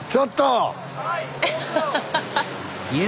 はい！